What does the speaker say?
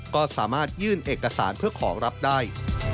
ก็สามารถยื่นเอกสารเพื่อขอรับได้